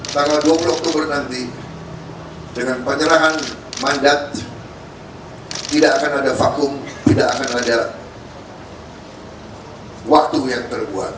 tanggal dua puluh oktober nanti dengan penyerangan mandat tidak akan ada vakum tidak akan ada waktu yang terbuat